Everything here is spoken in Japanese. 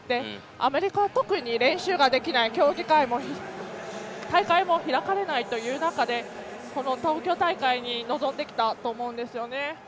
アメリカは特に練習ができない大会も開かれないという中東京大会に臨んできたと思うんですよね。